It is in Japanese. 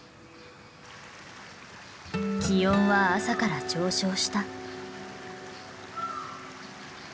気温は朝から上昇した。